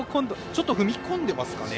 ちょっと踏み込んでますかね。